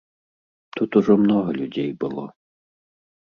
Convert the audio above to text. Тут ужо многа людзей было.